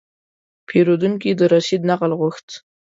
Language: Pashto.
پیرودونکی د رسید نقل غوښت.